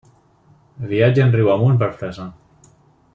Viatgen riu amunt per fresar.